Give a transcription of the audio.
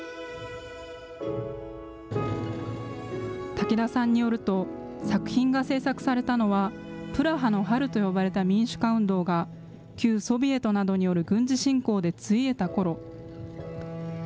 武田さんによると、作品が制作されたのは、プラハの春と呼ばれた民主化運動が旧ソビエトなどによる軍事侵攻でついえたころ。